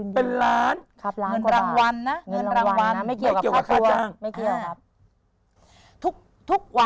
เป็นล้านเหมือนรางวัลนะ